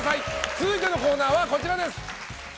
続いてのコーナーはこちらです！